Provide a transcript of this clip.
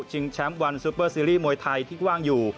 แชมป์วันซูเปอร์ซีรีส์มวยไทยที่กว้างอยู่